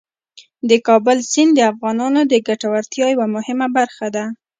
د کابل سیند د افغانانو د ګټورتیا یوه مهمه برخه ده.